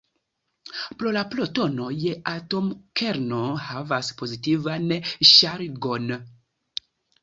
Pro la protonoj, atomkerno havas pozitivan ŝargon.